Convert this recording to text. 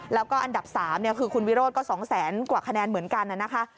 แล้วก็อันดับ๓คือคุณวิโรธก็๒แสนกว่าคะแนนเหมือนกันนะคะ